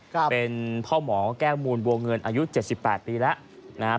เป็นพ่อหมอแก้วมูลบัวเงินอายุเจ็ดสิบแปดปีแล้วนะครับ